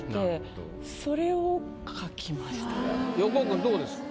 横尾君どうですか？